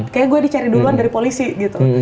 kayaknya gue dicari duluan dari polisi gitu